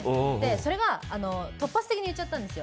それが突発的に言っちゃったんですよ。